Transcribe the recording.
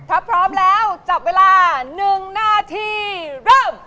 ถ้าพร้อมแล้วจับเวลา๑นาทีเริ่ม